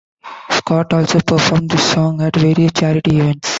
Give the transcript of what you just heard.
Scott also performed this song at various charity events.